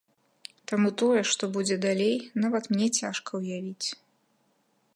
Таму тое, што будзе далей, нават мне цяжка ўявіць.